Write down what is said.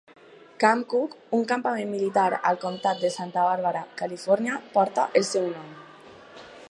Camp Cooke, un campament militar al comtat de Santa Barbara, Califòrnia, porta el seu nom.